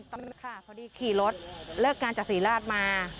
เพราะจริงนะค่ะสวัสดีค่ะขี่รถเลิกงานจากสริราชมา